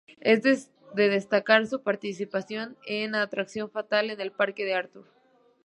Es de destacar su participación en Atracción fatal, en el papel de Arthur.